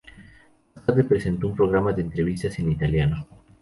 Más tarde presentó un programa de entrevistas en italiano.